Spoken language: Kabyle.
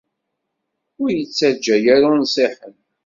Ur ittaǧǧa ara unṣiḥen.